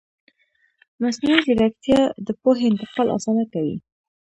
مصنوعي ځیرکتیا د پوهې انتقال اسانه کوي.